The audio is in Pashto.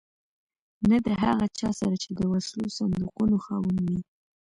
نه د هغه چا سره چې د وسلو صندوقونو خاوند وي.